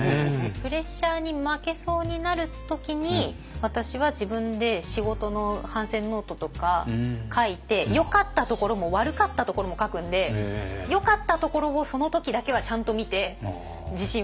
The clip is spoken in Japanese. プレッシャーに負けそうになる時に私は自分で仕事の反省ノートとか書いてよかったところも悪かったところも書くんでよかったところをその時だけはちゃんと見て自信をつけるっていう。